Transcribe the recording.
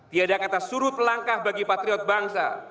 tidak ada kata surut langkah bagi patriot bangsa